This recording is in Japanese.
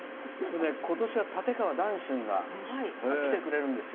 今年は立川談春が来てくれるんです。